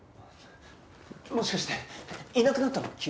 もしかしていなくなったの？